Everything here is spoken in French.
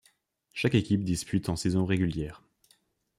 Chaque équipe dispute en saison régulière.